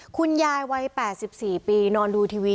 คุณยายวัยแปดสิบปีนอนดูทีวี